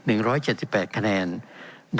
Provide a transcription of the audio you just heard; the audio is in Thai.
เป็นของสมาชิกสภาพภูมิแทนรัฐรนดร